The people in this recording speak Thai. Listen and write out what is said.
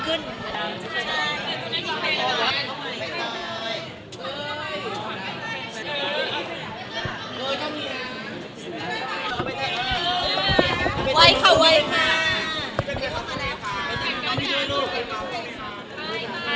งานเกาะเสือดที่เบอร์จำได้แล้วก็เอียงโซฟาไง